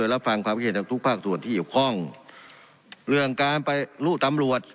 รับฟังความคิดเห็นจากทุกภาคส่วนที่เกี่ยวข้องเรื่องการไปรู้ตำรวจ